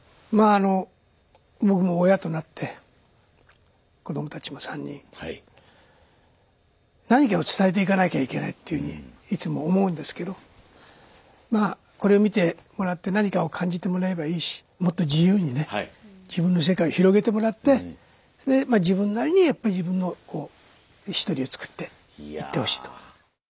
僕も親となって子どもたちも３人何かを伝えていかなきゃいけないっていうふうにいつも思うんですけどまあこれを見てもらって何かを感じてもらえればいいしもっと自由にね自分の世界を広げてもらってそれで自分なりにやっぱり自分のこうヒストリーをつくっていってほしいと。